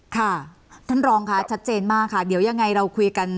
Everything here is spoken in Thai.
ท่านรองค์ชัดเจนมากค่ะเดี๋ยวยังไงเราคุยกันกับแขกรับเชิญ